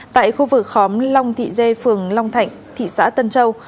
tại khu vực khóm long thị dê phường long thạnh thị xã tân châu